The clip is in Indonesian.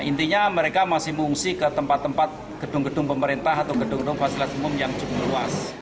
intinya mereka masih mengungsi ke tempat tempat gedung gedung pemerintah atau gedung gedung fasilitas umum yang cukup luas